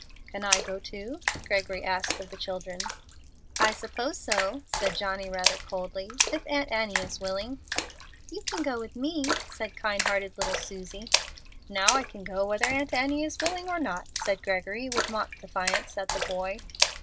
"Can I go too?" Gregory asked of the children. "I suppose so," said Johnny, rather coldly; "if Aunt Annie is willing." "You can go with me," said kind hearted little Susie. "Now I can go whether Aunt Annie is willing or not," said Gregory, with mock defiance at the boy.